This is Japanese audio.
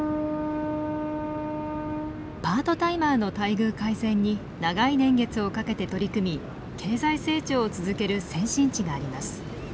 パートタイマーの待遇改善に長い年月をかけて取り組み経済成長を続ける先進地があります。